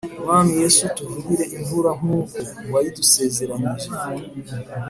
Mwami yesu utuvubire imvura nkuko wayidusezeranyije